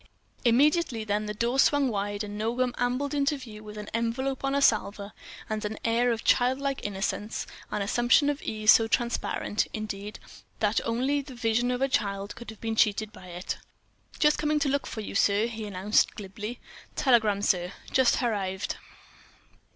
Immediately then the door swung wide, and Nogam ambled into view with an envelope on a salver and an air of childlike innocence, an assumption of ease so transparent, indeed, that only the vision of a child could have been cheated by it. "Just coming to look for you, sir," he announced, glibly. "Telegram, sir—just harrived."